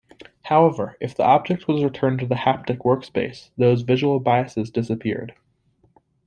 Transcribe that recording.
However, if the object was returned to the haptic workspace, those visual biases disappeared.